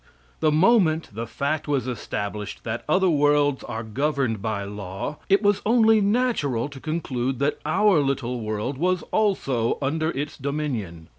The moment the fact was established that other worlds are governed by law, it was only natural to conclude that our little world was also under its dominion.